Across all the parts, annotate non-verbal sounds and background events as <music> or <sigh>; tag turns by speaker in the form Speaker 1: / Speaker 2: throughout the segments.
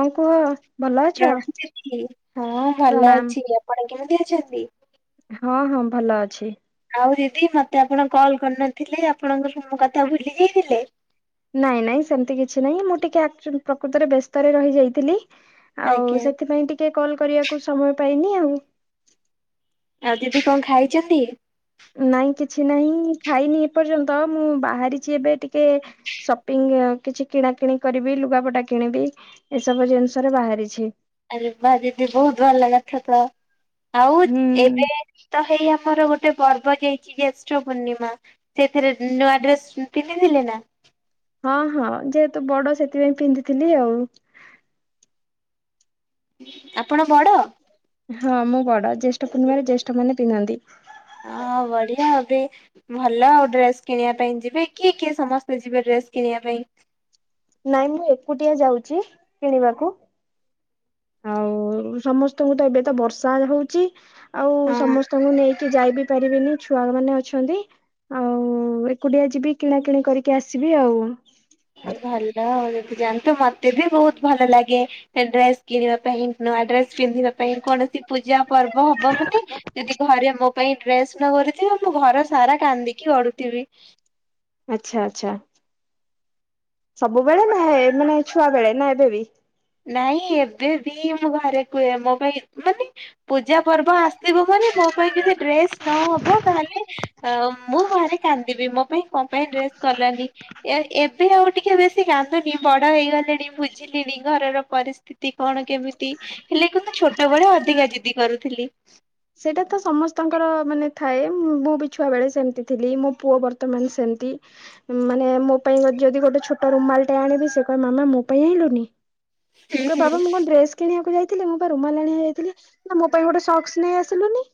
Speaker 1: ହଁ କୁହ ଭଲ
Speaker 2: <inaudible>
Speaker 1: ଅଛ?
Speaker 2: ହଁ ଭଲ ଅଛି
Speaker 1: ପ୍ରଣାମ
Speaker 2: ଆପଣ। କେମିତି ଅଛନ୍ତି?
Speaker 1: ହଁ ହଁ ଭଲ ଅଛି।
Speaker 2: ଆଉ ଦିଦି ମତେ ଆପଣ କଲ୍ କରିନଥିଲେ ଆପଣଙ୍କ କଥା ମୋ କଥା ଭୁଲି ଯାଇଥିଲେ।
Speaker 1: ନାଇଁ ନାଇଁ ସେମିତି କିଛି ନାହିଁ ମୁଁ ଟିକେ ଆକ୍ଚୁ ପ୍ରକୃତରେ ବ୍ୟସ୍ତରେ ରହିଯାଇଥିଲି ଆଉ
Speaker 2: ଆଜ୍ଞା
Speaker 1: ସେଥିପାଇଁ ଟିକେ କଲ୍ କରିବାକୁ ସମୟ ପାଇନି। ହଁ।
Speaker 2: ଆଉ ଦିଦି କଣ ଖାଇଚନ୍ତି?
Speaker 1: ନାଇଁ କିଛି ନାହିଁ ଖାଇନି ଏପର୍ଯ୍ୟନ୍ତ ମୁଁ ବାହାରିଚି ଏବେ ଟିକେ ସପିଙ୍ଗ୍ ଆ କିଛି କିଣା କିିଣି କରିବି ଲୁଗାପଟା କିଣିବି ଏସବୁ ଜିନିଷ ରେ ବାହାରିଛି।
Speaker 2: ଆରେ ବା ଦିଦି। <unintelligible> ଆଉ
Speaker 1: ହୁଁ।
Speaker 2: ଏବେ ତ ହେଇ ଆମର ଗୋଟେ ପର୍ବ ଯାଇଚି ଜେଷ୍ଠ ପୂର୍ଣ୍ଣିମା ସେଥିରେ ନୂଆ ଡ୍ରେସ ପିନ୍ଧିଥିଲେ ନା?
Speaker 1: ହଁ ହଁ ଯେହେତୁ ବଡ ସେଥିପାଇଁ ପିନ୍ଧିଥିଲି ଆଉ।
Speaker 2: ଆପଣ ବଡ?
Speaker 1: ହଁ ମୁଁ ବଡ ଜେଷ୍ଟ ପୂର୍ଣିମାରେ ଜେଷ୍ଠ ମାନେ ପିନ୍ଧନ୍ତି।
Speaker 2: ହଁ ବଢିଆ ଏବେ ଭଲ ଆଉ ଡ୍ରେସ୍ କିଣିବା ପାଇଁ ଯିବେ କିଏ କିଏ ସମସ୍ତେ ଯିବେ ଡ୍ରେସ୍ କିଣିବା ପାଇଁ?
Speaker 1: ନାଇଁ ମୁଁ ଏକୁଟିଆ ଯାଉଚି କିଣିବାକୁ। ଆଉ ସମସ୍ତଙ୍କୁ ତ ଏବେ ତ ବର୍ଷା ହଉଚି ଆଉ
Speaker 2: ହଁ
Speaker 1: ସମସ୍ତଙ୍କୁ ନେଇ କି ଯାଇବିି ପାରିବିନି ଛୁଆ ମାନେ ଅଛନ୍ତି। ଆଉ ଏକୁଟିଆ ଯିବି କିଣାକିଣି କରିକି ଆସିବି ଆଉ।
Speaker 2: ଭଲ ଆଉ ଯାଆନ୍ତୁ ମତେ ବି ବହୁତ୍ ଭଲ ଲାଗେ ଡ୍ରେସ୍ କିଣିବା ପାଇଁ। ନୂଆ ଡ୍ରେସ୍ ପିନ୍ଧିବା ପାଇଁ କୌଣସି ପୂଜା ପର୍ବ ହବ ମାନେ ଯଦି ଘରେ ମୋ ପାଇଁ ଡ୍ରେସ୍ ନ କରିଥିବ ମୁଁ ଘର ସାରା କାନ୍ଦିକି ଗଡୁଥିବି।
Speaker 1: ଆଛା ଆଛା। ସବୁବେଳେ ନା ଏ ମାନେ ଛୁଆ ବେଳେ ନା ଏବେ ବି?
Speaker 2: ନାଇଁ ଏବେ ବି ମୁଁ ଘରେ କୁହେ ମୋ ପାଇଁ ମାନେ ପୂଜା ପର୍ବ ଆସିବ ମାନେ ମୋ ପାଇଁ ଯଦି ଡ୍ରେସ୍ ନହବ ତାହେଲେ ଅ ମୁଁ ଭାରି କାନ୍ଦିବି ମୋ ପାଇଁ କଁ ପାଇଁ ଡ୍ରେସ୍ କଲାନି ଏ ଏବେ ଆଉ ଟିକେ ବେଶୀ କାନ୍ଦୁନି ବଡ ହେଇଗ ଲିଣି ବୁଝୁଲିଣି। ଘରର ପରିସ୍ଥିତି କଣ କେମିତି ହେଲେ କିନ୍ତୁ ଛୋଟ ବେଳେ ଅଧିକା ଜିଦି କରୁଥିଲି।
Speaker 1: ସେଇଟା ତ ସମସ୍ତଙ୍କର ମାନେ ଥାଏ ମୁଁ ବି ଛୁଆବେଳେ ସେମିତି ଥିଲି ମୋ ପୁଅ ବର୍ତ୍ତମାନ ସେମିତି ମାନେ ମୋ ପାଇଁ ଯଦି ଗୋଟେ ଛୋଟ ରୁମାଲ ଟେ ଆଣିବି ସେ କହେ ମାମା ମୋ ପାଇଁ ଆଣିଲୁନି। ମୁଁ
Speaker 2: ହୁଁ
Speaker 1: କହେ
Speaker 2: ହୁଁ
Speaker 1: ବାବା ମୁଁ କଁ ଡ୍ରେସ କିଣିବାକୁ ଯାଇଥିଲି ମୁଁ ପା ରୁମାଲ୍ ଆଣିବା ଯାଇଥିଲି ନା ମୋ ପାଇଁ ଗୋଟେ ସକ୍ସ ନେଇଆସି ସିଲୁନି।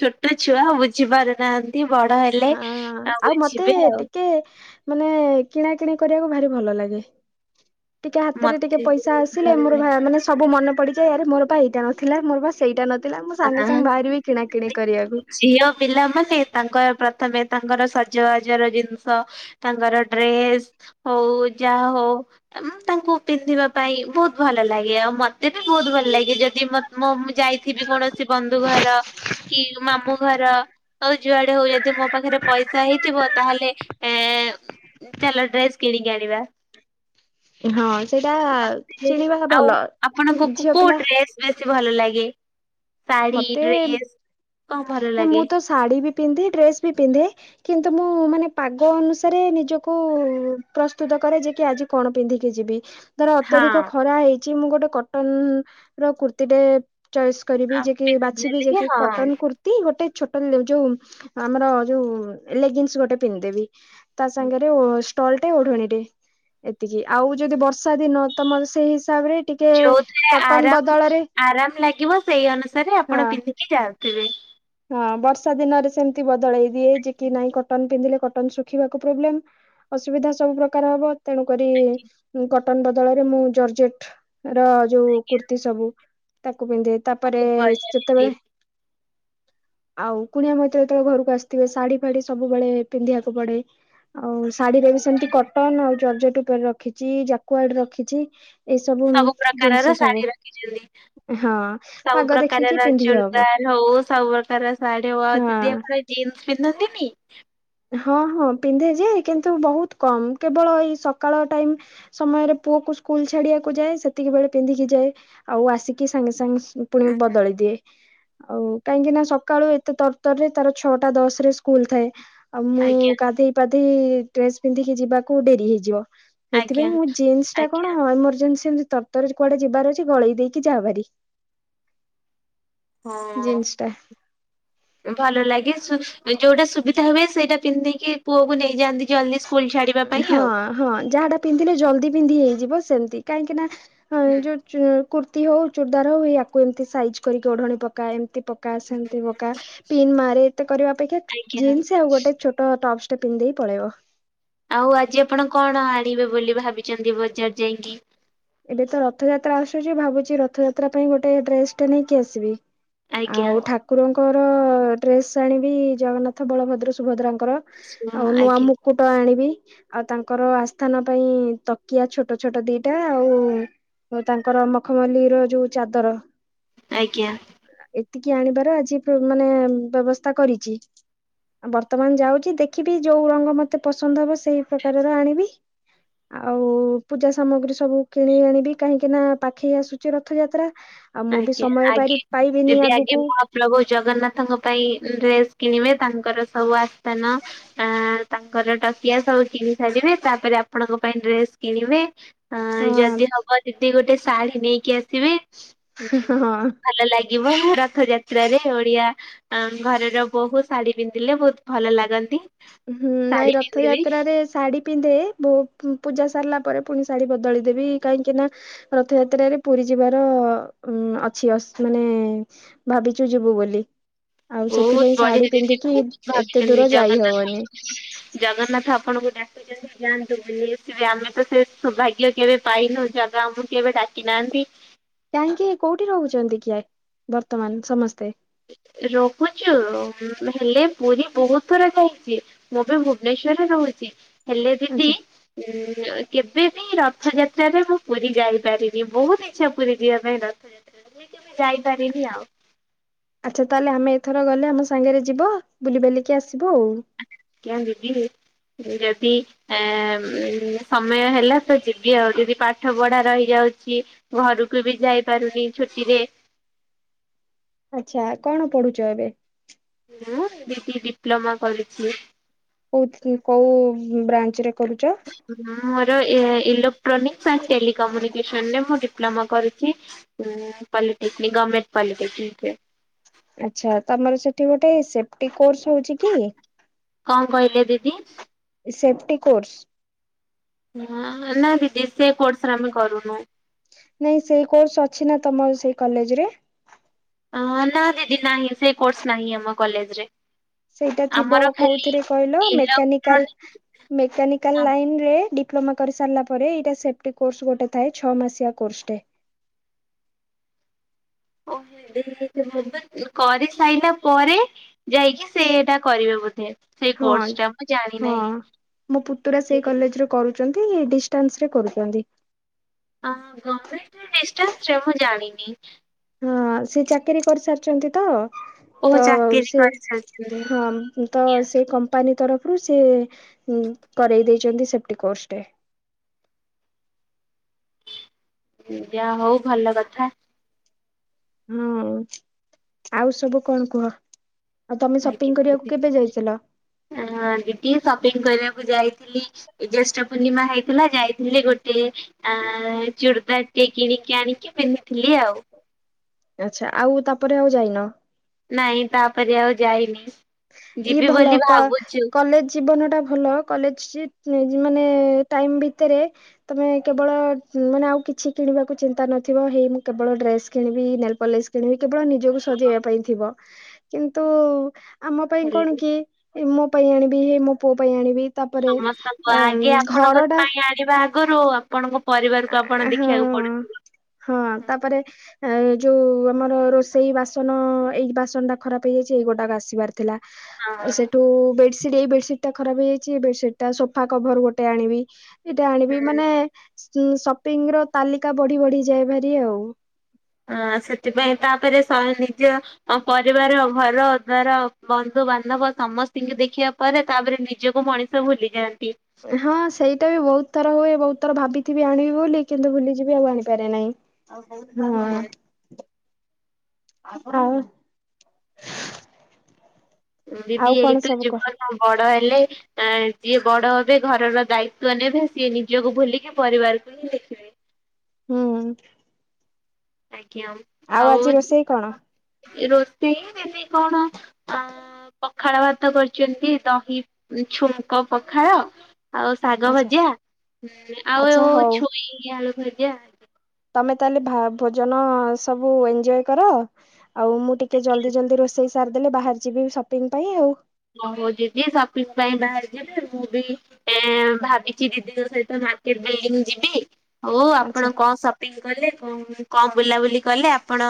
Speaker 2: ଛୋଟ ଛୁଆ ବୁଝି ପାରୁନାହା ବଡ ହେଲେ
Speaker 1: ହଁ
Speaker 2: ଆ
Speaker 1: ଆଉ ମତେ
Speaker 2: ବୁଝିବେ ଆଉ।
Speaker 1: ଟିକେ ମାନେ କିଣା କିିଣି କରିବାକୁ ଭାରି ଭଲ ଲାଗେ। ଟିକେ ହାତରେ ଟିକେ
Speaker 2: ମତେ
Speaker 1: ପଇସା ଆସିଲେ
Speaker 2: ଭଲ
Speaker 1: ମୋର ଭା ମାନେ ସବୁ ମନେ ପଡିଯାଏ ଆରେ ମୋର ପା ଏଇଟା ନଥିଲା ମୋର ବା ସେଇଟା ନଥିଲା। ମୁଁ ସାଙ୍ଗେ ସାଙ୍ଗେ ବାହାରିବି କିଣା କିିଣି
Speaker 2: <unintelligible>
Speaker 1: କରିବାକୁ।
Speaker 2: ଝିଅ ପିଲାମାନେ ତାଙ୍କର ପ୍ର ତମେ ତାଙ୍କର ସଜବାଜର ଜିନିଷ ତାଙ୍କର ଡ୍ରେସ ହଉ ଯାହା ହଉ ତାଙ୍କୁ ପିନ୍ଧିବା ପାଇଁ ବହୁତ ଭଲ ଲାଗେ ଆଉ ମୋତେ ବି ବହୁତ ଭଲ ଲାଗେ ଯଦି ମୋ ମୁଁ ଯାଇଥିବି କୌଣସି ବନ୍ଧୁ ଘର କି ମାମୁଁ ଘର ଆଉ ଯୁଆଡେ ହଉ ଯଦି ମୋ ପାଖରେ ପଇସା ହେଇଥିବ ତାହେଲେ ଏଁ ଚାଲ ଡ୍ରେସ୍ କିଣିକି ଆଣିବା।
Speaker 1: ହଁ ସେଇଟା
Speaker 2: ମୋତେ
Speaker 1: କିଣିବା
Speaker 2: ଆଉ
Speaker 1: ଭଲ
Speaker 2: ଆପଣଙ୍କ
Speaker 1: ଝିଅ
Speaker 2: କୋଉ
Speaker 1: ପିଲା
Speaker 2: ଡ୍ରେସ ବେଶି ଭଲ ଲାଗେ ଶାଢୀ
Speaker 1: ମତେ
Speaker 2: ଡ୍ରେସ୍
Speaker 1: ନା ମୁଁ ତ ଶାଢୀ ବି ପିନ୍ଧେ ଡ୍ରେସ ବି ପିନ୍ଧେ କିନ୍ତୁ ମୁଁ ମାନେ
Speaker 2: <unintelligible>
Speaker 1: ପାଗ ଅନୁସାରେ ନିଜକୁ ପ୍ରସ୍ତୁତ କରେ ଯେ କି ଆଜି କଣ ପିନ୍ଧିକି ଯିବି ଧର
Speaker 2: ହଁ
Speaker 1: ଅତ୍ୟଧିକ ଖରା ହେଇଛି ମୁଁ ଗୋଟେ କଟନର କୁର୍ତ୍ତିୀଟେ ଚଏସ୍ କରିବି ଯେ ବାଛିବି
Speaker 2: ପିନ୍ଧିଦେଲେ
Speaker 1: ଯେକି କଟନ୍
Speaker 2: ହଁ
Speaker 1: କୁର୍ତ୍ତି ଗୋଟେ ଛୋଟ ଯୋଉ ଆମର ଯୋଉ ଲେଗିନ୍ସ ଗୋଟେ ପିନ୍ଧିଦେବି। ତା ସାଙ୍ଗରେ ଅଟସ ଷ୍ଟଲ ଟେ ଓଢଣୀଟେ ଏତିକି ଆଉ ଯଦି ବର୍ଷା ଦିନ ତମର ସେଇ ହିସାବରେ ଟିକେ
Speaker 2: ଯୋଉଥିରେ
Speaker 1: କଟନ
Speaker 2: ଆରାମ
Speaker 1: ବଦଳରେ
Speaker 2: ଆରାମ ଲାଗିବ ସେଇ ଅନୁସା ସାରେ
Speaker 1: ହଁ
Speaker 2: ଆପଣ ପିନ୍ଧିକି ଯାଉଥିବେ
Speaker 1: ଶୀତ ଦିନରେ ସେମିତି ବଦଳେଇ ଦିଏ ଯେ କି ନାଇ କଟନ୍ ପିନ୍ଧିଲେ କଟନ୍ ଶୁଖିବାକୁ ପ୍ରବ୍ଲେମ୍ ଅସୁବିଧା ସବୁ ସବୁ ପ୍ରକାର ହବ ତେଣୁକରି କଟନ୍ ବଦଳରେ ମୁଁ ଜର୍ଜେଟ୍ ର ଯୋଉ କୁର୍ତ୍ତିୀ ସବୁ ତାକୁ ପିନ୍ଧେଇ ତା
Speaker 2: <unintelligible>
Speaker 1: ଆଉ କୁଣିଆ ମଇତର ଯେତେବେଳେ ଘରକୁ ଆସିଥିବେ ଶାଢୀ ଫାଢୀ ସବୁବେଳେ ପିନ୍ଧିବାକୁ ପଡେ ଆଉ ଶାଢୀରେ ବି ସେମିତି କଟନ ଆଉ ଜର୍ଜେଟ ଉପରେ ରଖିଛି ଜାକୁଆଡ ରଖିଛି। ଏଇସବୁ
Speaker 2: ସବୁ ପ୍ରକାରର
Speaker 1: ଜିନିଷ ସବୁ
Speaker 2: ଶାଢୀ ରଖିଛନ୍ତି।
Speaker 1: ହଁ
Speaker 2: ସବୁ
Speaker 1: ପାଗ
Speaker 2: ପ୍ରକାର
Speaker 1: ଦେଖିକି
Speaker 2: ର
Speaker 1: ପିନ୍ଧି ହବ
Speaker 2: ଚୁଡିଦାର ହଉ ସବୁ ପ୍ରକାର ସାଢି ହଉ ଦିଦି
Speaker 1: ହଁ।
Speaker 2: ଆପଣ ଜିନସ୍ ପ ପିନ୍ଧନ୍ତିିନି
Speaker 1: ହଁ ହଁ ପିନ୍ଧେ ଯେ କିନ୍ତୁ ବହୁତ କମ୍ କେବଳ ଏଇ ସକାଳ ଟାଇମ ସମୟରେ ପୁଅ କୁ ସ୍କୁଲ ଛାଡିବାକୁ ଯାଏ ସେତିକି ବେଳେ ପିନ୍ଧିକି ଯାଏ ଆଉ ଆସିକି ସାଙ୍ଗେ ସାଙ୍ଗେ ପୁଣି ବଦଳି ଦିଏ ଆଉ କାହିଁକି ନା ସକାଳୁ ଏତେ ତର ତର ରେ ତାର ଛଅଟା ଦଶ ରେ ସ୍କୁଲ ଥାଏ ଆଉ ମୁଁ
Speaker 2: ଆଜ୍ଞା
Speaker 1: ଗାଧେଇ ପାଧେଇ ଡ୍ରେସ ପିନ୍ଧିକି ଯିବାକୁ ଡେରି ହେଇଯିବ
Speaker 2: ଆଜ୍ଞା
Speaker 1: ସେଥିପାଇଁ ମୁଁ ଜିନ୍ସ ଟା କଣ
Speaker 2: ଆଜ୍ଞା
Speaker 1: ଏମରଜେନ୍ସିମିତି ତରତରରେ କୁଆଡେ ଯିବାର ଅଛି ଗଳେଇ ଦେଇକି ଯାବାହାରି
Speaker 2: ହଁ ଭଲ ଲାଗେ ଯୋଉଟା ସୁ ଯଉଟା ହୁଏ ସେଇଟା ପିନ୍ଧିକି ପୁଅକୁ ନେଇଯାଆନ୍ତି ଜଲ୍ଦି ସ୍କୁଲ ଛାଡିବା ପାଇଁ
Speaker 1: ହଁ
Speaker 2: ଆଉ।
Speaker 1: ହଁ ଯାହାଟା ପିନ୍ଧିଲେ ଜଲଦି ପିନ୍ଧି ହେଇଯିବ ସେମତି କାହିଁକି ନା ହଁ
Speaker 2: ହୁଁ
Speaker 1: ଯୋଉ କୁର୍ତୀ ହଉ ଚୁଡ଼ଦାର ହଉ ୟାକୁ ଏମତି ସାଇଜ କରିକି ଓଢଣୀ ପକା ଏମତି ପକା ପକା ସେମିତି ପକା ପିନ୍ ମାରେ ଏତେ କରିବା ଅପେକ୍ଷା
Speaker 2: ଆଜ୍ଞା
Speaker 1: ଜିନ୍ସ ଆଉ ଗୋଟେ ଛୋଟ ଟପସ୍ ପିନ୍ଧିଦେଇ ପଳେଇବ
Speaker 2: ଆଉ ଆଜି ଆପଣ କଣ ଆଣିବେ ବୋଲି ଭାବିଛନ୍ତି ବଜାର ଯାଇକି?
Speaker 1: ଏବେ ତ ରଥଯାତ୍ରା ଆସୁଛି ଭାବୁଛି ରଥଯାତ୍ରା ପାଇଁ ଗୋଟେ ଡ୍ରେସ ଟା ନେଇକି ଆସିବି
Speaker 2: ଆଜ୍ଞା
Speaker 1: ଆଉ ଠାକୁରଙ୍କର ଡ୍ରେସ ଆଣିବି ଜଗନ୍ନାଥ, ବଳଭଦ୍ର, ସୁଭଦ୍ରାଙ୍କ ଙ୍କର
Speaker 2: ଶୁଣ,
Speaker 1: ଆଉ ନୂଆ
Speaker 2: ଆଜ୍ଞା
Speaker 1: ମୁକୁଟ ଆଣିବି। ଆଉ ତାଙ୍କର ଆସ୍ଥାନ ପାଇଁ ତକିଆ ଛୋଟ ଛୋଟ ଦିଟା ଆଉ ତାଙ୍କର ମଖମଲ୍ଲିୀ ର ଯୋଉ ଚାଦର
Speaker 2: ଆଜ୍ଞା।
Speaker 1: ଏତିକି ଆଣିବାର ଆଜି ମାନେ ବ୍ୟବସ୍ଥା କରିଛି। ବର୍ତ୍ତମାନ ଯାଉଛି ଦେଖିବି ଯୋଉ ରଙ୍ଗ ମତେ ପସନ୍ଦ ହବ ସେ ସେଇ ପ୍ରକାରର ଆଣିବି। ଆଉ ପୂଜା ସାମଗ୍ରୀ ସବୁ କିଣି ଆଣିବି କାହିଁକି ନା ପାଖେଇ ଆସୁଛି ରଥଯାତ୍ରା। ଆଉ ମୁଁ ବି
Speaker 2: ଆଜ୍ଞା
Speaker 1: ସମୟ ପାରି
Speaker 2: ଆଜ୍ଞା।
Speaker 1: ପାଇବିନି
Speaker 2: ଯଦି ଆଜ୍ଞା
Speaker 1: ଆଗକୁ
Speaker 2: ମହାପ୍ରଭୁ ଜଗନ୍ନାଥଙ୍କ ପାଇଁ ଡ୍ରେସ୍ କିଣିବେ ତାଙ୍କର ସବୁ ଆସ୍ଥାନ ଅ ତାଙ୍କର ଟକିଆ ସବୁ କିଣୀ ସାରିବେ ତାପରେ ଆପଣଙ୍କ ପାଇଁ ଡ୍ରେସ କିଣିବେ ଆଁ
Speaker 1: ହଁ
Speaker 2: ଯଦି ହବ ଦିଦି ଗୋଟେ ଶାଢ଼ୀ ନେଇକି ଆସିବେ
Speaker 1: ହଁ।
Speaker 2: ଭଲ ଲାଗି ଲାଗିବ। ରଥଯାତ୍ରାରେ ଓଡିଆ ଘରର ବୋହୂ ଶାଢୀ ପିନ୍ଧିଲେ ବହୁତ ଭଲ ଲାଗନ୍ତି।
Speaker 1: ହୁଁ ନାଇଁ
Speaker 2: ଶାଢୀ ପିନ୍ଧିବି
Speaker 1: ରଥଯାତ୍ରାରେ ଶାଢୀ ପିନ୍ଧେ ବହୁ ପୂଜା ସାରିଲା ପରେ ପୁଣି ଶାଢୀ ବଦଳିଦେବି କାହିଁକି ନା ରଥଯାତ୍ରାରେ ପୁରୀ ଯିବାର ଉଁ ଅଛି ଅସ୍ ମାନେ ଭାବିଛୁ ଯିବୁ ବୋଲି। ଆଉ
Speaker 2: ବହୁତ
Speaker 1: ସେଥିପାଇଁ
Speaker 2: ବଢିଆ
Speaker 1: ଶାଢୀ ପିନ୍ଧିକି ଏତେ ଦୂର ଯାଇ ହବନି।
Speaker 2: ଜଗନ୍ନା ଆପଣଙ୍କୁ ଡାକୁଚନ୍ତି ଯାଆନ୍ତୁ ବୁଲି ଆସିବେ ଆମେ ତ ସେ ସୌଭାଗ୍ୟ କେବେ ପାଇନୁ ଜଗା ଆମକୁ କେବେ ବେ ଡାକି ନାହାନ୍ତି।
Speaker 1: କାହିଁକି କୋଉଠି ରହୁଛନ୍ତି କି ଆ ବର୍ତ୍ତମାନ ସମସ୍ତେ?
Speaker 2: ରହୁଛୁ ହେଲେ ପୁରୀ ବହୁତ ଥର ଯାଇଛି ମୁଁ ବି ଭୁବନେଶ୍ଵରରେ ରହୁଛି। ହେଲେ ଦିଦି
Speaker 1: ଆଛା
Speaker 2: ଉଁ କେବେବି ର ରଥଯାତ୍ରାରେ ମୁଁ ପୁରୀ ଯାଇପାରିନି ବହୁତ ଇଚ୍ଛା ପୁରୀ ଯିବା ପାଇଁ ରଥଯାତ୍ରା ରେ। କେବେ ଯାଇପାରିନି ଆଉ।
Speaker 1: ଆଚ୍ଛା ତାହେଲେ ଆମେ ଏଥର ଗଲେ ଆମ ସାଙ୍ଗରେ ଯିବ ବୁଲିିବାଲିକି ଆସି
Speaker 2: ଆଜ୍ଞା ଦିଦି। ଯଦି ଏ ସମୟ ହେଲା ତ ଯିବି ଆଉଯଦି ପାଠ ପଢା ରହିଯାଉ ଘରୁକୁ ବି ଯାଇପାରୁନି ଛୁଟିରେ।
Speaker 1: ଆଚ୍ଛା କଣ ପଢୁଛ ଏବେ?
Speaker 2: ମୁଁ ଦିଦି ଡିପ୍ଲୋମା କରିଛି।
Speaker 1: କୋଉଥି କୋଉ ବ୍ରାଞ୍ଚ ରେ? କରୁଛ
Speaker 2: ମୋର ଏ ଇଲୋକ୍ଟ୍ରୋନିକ୍ସ ଆଣ୍ଡ ଟେଲି କମ୍ୟୁନିକେସନ ରେ ମୁଁ ଡିପ ପ୍ଲୋମା କରୁଛି। ପଲିଟେକ୍ନିକ ଗମେଣ୍ଟ ପଲିଟେକ୍ନିକରେ।
Speaker 1: ଆଛା ତମର ସେଠି ଗୋଟେ ସେଫ୍ଟି କୋର୍ସ ହଉଚି କି?
Speaker 2: କଣ କହିଲେ ଦିଦି?
Speaker 1: Safety course.
Speaker 2: ହ ନା ଦିଦି ସେ କୋର୍ସରେ ଆମେ କରୁନୁ।
Speaker 1: ନାଇଁ ସେଇ କୋର୍ସ ଅଛି ନା ତମ ସେଇ କଲେଜରେ?
Speaker 2: ଅ ନା ଦିଦି ନାହିଁ, ସେଇ କୋର୍ସ ନାହିଁ ଆମ କଲେଜରେ।
Speaker 1: ସେଇଟା ଥିବ
Speaker 2: ଆମର ଖାଲି
Speaker 1: କୋଉଥିରେ କହିଲ ମେକାନିକାଲ
Speaker 2: ଇଲେକ୍ଟ୍ରୋନିକ
Speaker 1: ମେକାନିକାଲ ଲାଇନରେ ଡିପ ଡିପ୍ଲୋମା କରି ସାରିଲା ପରେ ଏଇଟା ସେଫ୍ଟି କୋର୍ସ ଗୋଟେ ଥାଏ ଛଅ ମାସିଆ କୋର୍ସଟେ।
Speaker 2: <unintelligible> କରିସାଇଲା ପରେ ଯାଇକି ସେଇଟା କରିବେ ବୋଧେ। ସେଇ
Speaker 1: ହଁ
Speaker 2: କୋର୍ସଟା ମୁଁ
Speaker 1: ହଁ
Speaker 2: ଜାଣିନାହିଁ।
Speaker 1: ମୋ ପୁତୁରା ସେଇ କଲେଜ ରୁ କରୁ ଚନ୍ତି ଡିଷ୍ଟାନ୍ସ ରେ କରୁଚନ୍ତି।
Speaker 2: ଅ ଗମେଣ୍ଟ ରେ ଡିଷ୍ଟାନ୍ସ ରେ ମୁଁ ଜାଣି ନି।
Speaker 1: ହଁ ସିଏ ଚାକିରି କରିସାରିଛନ୍ତି ତ
Speaker 2: ଓ
Speaker 1: ତ
Speaker 2: ଚାକିରି
Speaker 1: ସେ
Speaker 2: କରିସାରିଛନ୍ତି
Speaker 1: ହଁମ୍ ତ
Speaker 2: ନିହାତି
Speaker 1: ସେଇ କମ୍ପାନୀ ତରଫ ରୁ ସେ କରେଇ ଦେଇଚନ୍ତି ସେଫ୍ଟି କୋର୍ସ ଟେ।
Speaker 2: ଯାହା ହଉ ଭଲ କଥା।
Speaker 1: ହୁଁ ଆଉ ସବୁ କଣ କୁହ? ଆଉ ତମେ ସପିଂ
Speaker 2: ଆଜ୍ଞା
Speaker 1: କରିବାକୁ
Speaker 2: ଦିଦି
Speaker 1: କେବେ ଯାଇଥିଲ?
Speaker 2: ଆଁ ଦିଦି ସପିଂ କରିବା ମୁଁ ଯାଇଥିଲି ଜ୍ୟେଷ୍ଠ ପୂର୍ଣ୍ଣିମା ହେଇଥିଲା ଯାଇଥିଲି। ଗୋଟେ ଆ ଚୁଡ଼ଦାର ଟେ କିଣିକି ଆଣିକି ପିନ୍ଧିଥିଲି ଆଉ।
Speaker 1: ଆଛା, ଆଉ ତାପରେ ଆଉ ଯାଇନ?
Speaker 2: ନାଇଁ ତାପରେ ଆଉ ଯାଇନି।
Speaker 1: ଇ
Speaker 2: ଯିବି
Speaker 1: ଭଲ
Speaker 2: ବୋଲି
Speaker 1: କ
Speaker 2: ଭାବୁଛୁ
Speaker 1: କଲେଜ ଜୀବନ ଟା ଭଲ କଲେଜ ଜି ମାନେ ଟାଇମ ଭିତରେ ତମେ କେବଳ ମାନେ ଆଉ କିଛି କିଣିବାକୁ ଚିନ୍ତା ନ ମୁଁ ହେଇ ମୁଁ କେବଳ ଡ୍ରେସ କିଣିବି ନେଲପଲିସ୍ କିଣିବି କେବଳ ନି ନିଜକୁ ସଜେଇବା ପାଇଁ ଥିବ କିନ୍ତୁ ଆମ ପାଇଁ କଣ
Speaker 2: ହେଲେ
Speaker 1: କି ଏ ମୋ ପାଇଁ ଆଣିବି ହେ ମୋ ପୁଅ ପାଇଁ ଆଣିବି ତାପରେ
Speaker 2: ସମସ୍ତଙ୍କୁ
Speaker 1: ଅ
Speaker 2: ଆଗେ
Speaker 1: ଘର
Speaker 2: ଆପଣଙ୍କ ପାଇଁ ଆଣିବା ଆଗରୁ ଆଉ
Speaker 1: ହୁଁ ହଁ ତାପରେଏଁ ଯଉ ଆମର ରୋଷେଇ ବାସନ ଏଇ ବାସନଟା ଖରାପ ହେଇଯାଇଚି ଏଇଗୋଟାକ ଆସିବାର ଥିଲା।
Speaker 2: ହଁ
Speaker 1: ସେଠୁ ବେଡ଼ସ ଏଟା ଏଇ ବେଡସିଟ୍ ଟା ଖରାପ ହେଇଯାଇଛି ବେଡସିଟ୍ ଟା ସୋଫା କଭର ଗୋଟେ ଆଣିବି ଏଇଟା ଆଣିବି
Speaker 2: ହୁଁ
Speaker 1: ମାନେ ସପିଙ୍ଗ ର ତାଲିକା ବଢି ବଢିଯାଏ ଭାରି ଆଉ
Speaker 2: ଅ ସେଥିପାଇଁ ତାପରେ ନିଜ ପରିବାର ଘର ଦ୍ଵାର ବନ୍ଧୁ ବାନ୍ଧବ ସମସ୍ତିଙ୍କି ଦେଖିବା ପରେ ତାପରେ ନିଜକୁ ମଣିଷ ଭୁଲିଯାଆନ୍ତି।
Speaker 1: ହଁ ସେଇଟା ବି ବହୁତ ଥର ହୁଏ ବହୁତ ଥର ଭାବିଥିବି ଆଣିବି ବୋଲି କିନ୍ତୁ ଭୁଲିଯିବି ଆଉ ଆଣିପାରେ ନାଇଁ। ଆଉ କହୁଥିଲା ହଁ ଆ ହଉ <unintelligible>
Speaker 2: ଦିଦି ଏଇତ ଯିବନ ବଡ ହେଲେ। ଆ ଯିଏ ବଡ ହେବେ ଘରର ଦାୟିତ୍ୱ ନେବେ ସିଏ ନିଜକୁ ଭୁଲିକି ପରିବାରକୁ ହିଁ ଦେଖିବେ। <inaudible>
Speaker 1: ହୁଁ
Speaker 2: କ୍ୟାଉଁ ଆଉ
Speaker 1: ଆଜି ରୋଷେଇ କଣ?
Speaker 2: ଏ ରୋଷେଇ ଜଦି କଣ ଅଁ ପଖାଳ ଭାତ କରିଛନ୍ତି ଦହି ଛୁଙ୍କ ପଖାଳ ଆଉ ଶାଗ
Speaker 1: ଆଚ୍ଛା
Speaker 2: ଭଜା ଆଉ
Speaker 1: ଆଚ୍ଛା ହଉ
Speaker 2: ଛୁଇଁ ଆଳୁ ଭଜା।
Speaker 1: ତମେ ତାହେଲେ ଭୋଜନ ସବୁ ଏଞ୍ଜୟ କର ଆଉ ମୁଁ ଟିକେ ଜଲ୍ଦି ଜଲଦି ରୋଷେଇ ସାରି ଦେଲେ ବାହାରି ଯିବେ ସପିଙ୍ଗ ପାଇଁ ଆଉ
Speaker 2: ହ ହଉ ଦିଦି ସପିଙ୍ଗ ପାଇଁ ବାହାରି ଯିବେ ମୁଁ ବି ଏ ଭାବିଛି ଦିଦିଙ୍କ ସହିତ ସ ମାର୍କେଟ ବ୍ଲିଡିଙ୍ଗ ଯିବି ହଉ
Speaker 1: ଆଚ୍ଛା।
Speaker 2: ଆପଣ କଣ ସପିଙ୍ଗ କଲେ କଣ କଣ ବୁଲାବୁଲି କଲେ ଆପଣ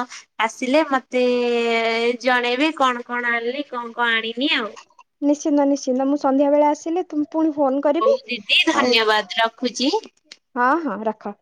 Speaker 2: ଆସିଲେ ମତେ ଜଣେଇବେ କଣ କଣ ଆଣିଲେ କଣ କଣ ଆଣିବି ଆଉ
Speaker 1: ନିଶ୍ଚିନ୍ତ ନିଶ୍ଚିନ୍ତ ମୁଁ ସନ୍ଧ୍ୟାବେଳେ ଆସିଲି ତୁମ୍ ପୁଣି ଫୋନ କରିବି
Speaker 2: ହଉ ଦିଦି
Speaker 1: ଆଉ
Speaker 2: ଧନ୍ୟବାଦ ରଖୁଛି।
Speaker 1: ହଁ ହଁ ରଖ